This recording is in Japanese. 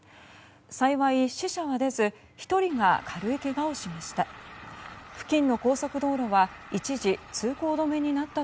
幸い死者が出ず１人が軽いけがをしました。